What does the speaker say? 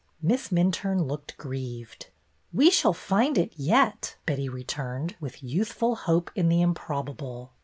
Miss Minturne looked grieved. ^^We shall find it yet," Betty returned, with youthful hope in the improbable.